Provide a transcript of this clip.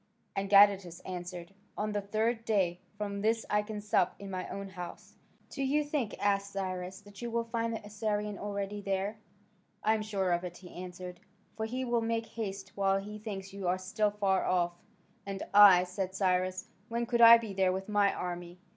And Gadatas answered, "On the third day from this I can sup in my own house." "Do you think," asked Cyrus, "that you will find the Assyrian already there?" "I am sure of it," he answered, "for he will make haste while he thinks you are still far off." "And I," said Cyrus, "when could I be there with my army?"